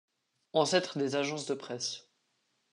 Ancêtre des agences de presse.